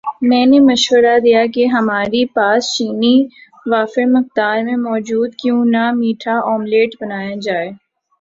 میں نے مشورہ دیا کہ ہماری پاس چینی وافر مقدار میں موجود ہے کیوں نہ میٹھا آملیٹ بنایا جائے